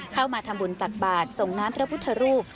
เข้ามาทำบุญตักบาทส่งน้ำพระพุทธรูป